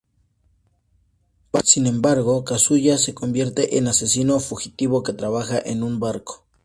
Sin embargo, Kazuya se convierte en asesino fugitivo que trabaja en un barco.